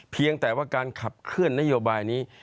เพียงแต่ว่าการขับเคลื่อนนโยบายนี้